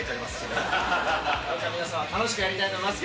皆さん楽しくやりたいと思います。